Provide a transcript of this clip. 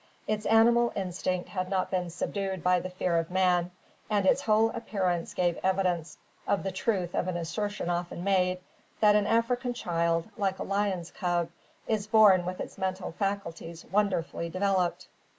Its animal instinct had not been subdued by the fear of man, and its whole appearance gave evidence of the truth of an assertion often made, that an African child, like a lion's cub, is born with its mental faculties wonderfully developed.